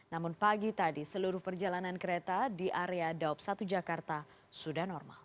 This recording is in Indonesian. namun pagi tadi seluruh perjalanan kereta di area daup satu jakarta sudah normal